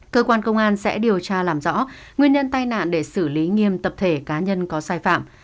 cơ quan công an sẽ điều tra làm rõ nguyên nhân tai nạn để xử lý nghiêm tập thể cá nhân có sai phạm